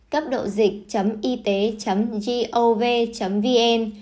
cấp độ dịch yte gov vn